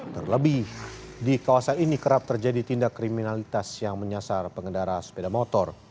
terlebih di kawasan ini kerap terjadi tindak kriminalitas yang menyasar pengendara sepeda motor